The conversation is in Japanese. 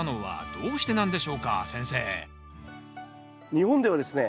日本ではですね